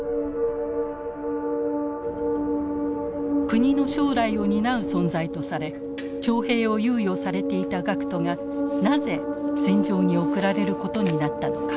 国の将来を担う存在とされ徴兵を猶予されていた学徒がなぜ戦場に送られることになったのか。